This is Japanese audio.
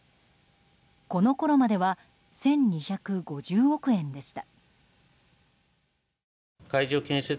このころまでは１２５０億円でした。